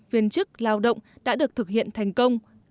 viên chức lao động đã được thực hiện thành công